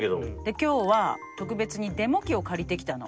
今日は特別にデモ機を借りてきたの。